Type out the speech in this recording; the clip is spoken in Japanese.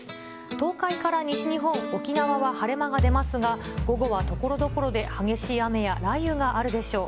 東海から西日本、沖縄は晴れ間が出ますが、午後はところどころで激しい雨や雷雨があるでしょう。